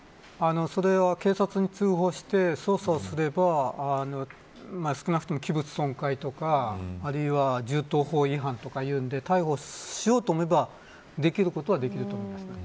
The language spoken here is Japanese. それは、警察に通報して捜査をすれば少なくとも、器物損壊とか銃刀法違反という意味で逮捕しようと思えばできることもできると思います。